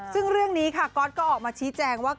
ซึ่งเรื่องนี้ค่ะก๊อตก็ออกมาชี้แจงว่า